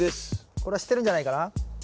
これは知ってるんじゃないかな。